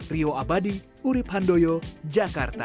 rio abadi urib handoyo jakarta